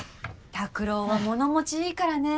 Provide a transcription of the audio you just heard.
拓郎は物持ちいいからね。